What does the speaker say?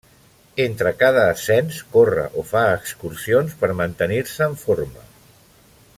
Entre cada ascens, corre o fa excursions per mantenir-se en forma.